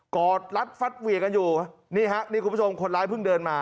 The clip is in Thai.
อดรัดฟัดเหวี่ยกันอยู่นี่ฮะนี่คุณผู้ชมคนร้ายเพิ่งเดินมา